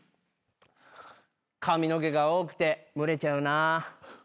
髪の毛が多くて蒸れちゃうなぁ。